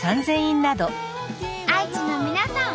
愛知の皆さん